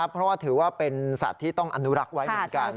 เพราะว่าถือว่าเป็นสัตว์ที่ต้องอนุรักษ์ไว้เหมือนกัน